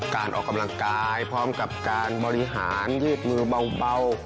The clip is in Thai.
การออกกำลังกายพร้อมกับการบริหารยืดมือเบา